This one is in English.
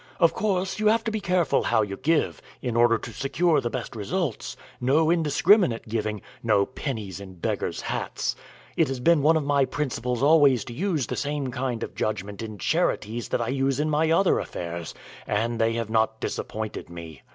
Of course you have to be careful how you give, in order to secure the best results no indiscriminate giving no pennies in beggars' hats! It has been one of my principles always to use the same kind of judgment in charities that I use in my other affairs, and they have not disappointed me."